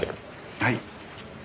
はい。